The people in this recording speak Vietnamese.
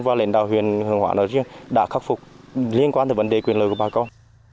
và lãnh đạo huyện hương hóa nơi riêng đã khắc phục liên quan tới vấn đề quyền lợi của bà con